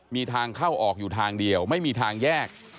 มีทางเข้าออกอยู่ทางเดียวไม่มีทางแยก